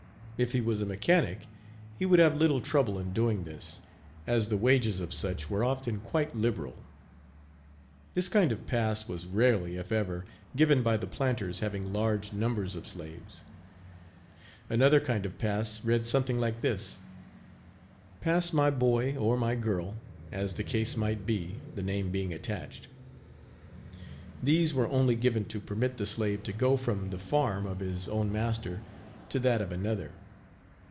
If he was a mechanic he would have little trouble in doing this, as the wages of such were often quite liberal. This kind of a pass was rarely, if ever, given by the planters having large numbers of slaves. Another kind of pass read something like this: "Pass my boy or my girl," as the case might be, the name being attached. These were only given to permit the slave to go from the farm of his own master to that of another.